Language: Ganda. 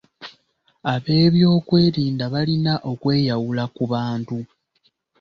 Abeebyokwerinda balina okweyawula ku bantu.